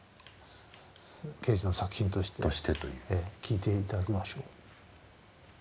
ケージの作品として聴いて頂きましょう。